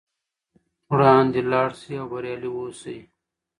وړاندې لاړ شئ او بریالي اوسئ.